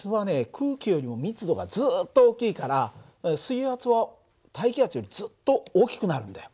空気よりも密度がずっと大きいから水圧は大気圧よりずっと大きくなるんだよ。